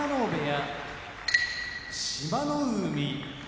志摩ノ海